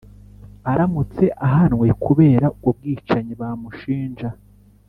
aramutse ahanwe kubera ubwo bwicanyi bamushinja